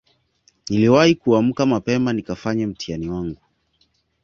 niliwahi kuamka mapema nikafanye mtihani wangu